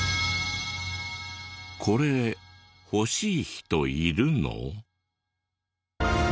これ欲しい人いるの？